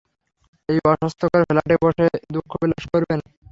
এই অস্বাস্থ্যকর ফ্ল্যাটে বসে বসে দুঃখবিলাস করবেন?